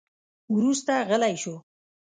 وروسته غلی شو.